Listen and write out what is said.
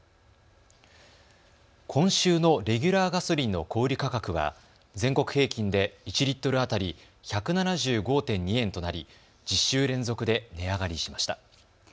今週のレギュラーガソリンの小売価格は全国平均で１リットル当たり１７５．２円となり１０週連続で値上がりしました。